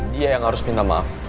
dia yang harus minta maaf